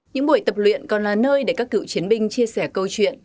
những buổi tập luyện còn là nơi để các cựu chiến binh chia sẻ câu chuyện